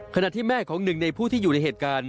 ขณะที่แม่ของหนึ่งในผู้ที่อยู่ในเหตุการณ์